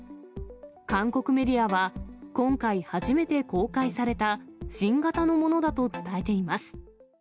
韓国メディアは、今回初めて公開された新型のものだと伝えています。